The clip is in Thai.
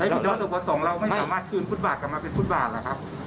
แล้วถ้าตัวประสงค์เราไม่สามารถคืนพุทธบาทกลับมาเป็นพุทธบาทหรอครับ